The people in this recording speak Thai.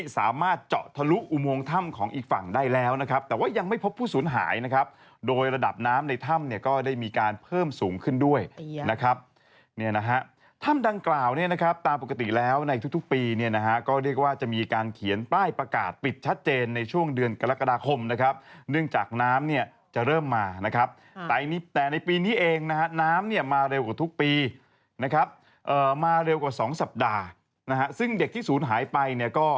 สูงขึ้นด้วยนะครับเนี่ยนะฮะถ้ำดังกล่าวเนี่ยนะครับตามปกติแล้วในทุกปีเนี่ยนะฮะก็เรียกว่าจะมีการเขียนป้ายประกาศปิดชัดเจนในช่วงเดือนกรกฎาคมนะครับเนื่องจากน้ำเนี่ยจะเริ่มมานะครับแต่ในปีนี้เองนะฮะน้ำเนี่ยมาเร็วกว่าทุกปีนะครับมาเร็วกว่า๒สัปดาห์นะฮะซึ่งเด็กที่ศูนย์หายไป